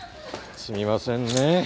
すみませんね。